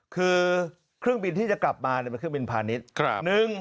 คือเครื่องบินที่จะกลับมาเป็นเครื่องบินพาณิชย์